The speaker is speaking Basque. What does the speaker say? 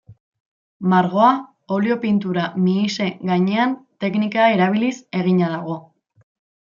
Margoa olio-pintura mihise gainean teknika erabiliz egina dago.